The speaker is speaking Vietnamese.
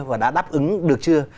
và đã đáp ứng được chưa